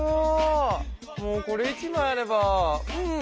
もうこれ１枚あればうん。